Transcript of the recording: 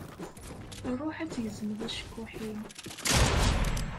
Ṛuḥ ad d-tgezmeḍ acekkuḥ-im.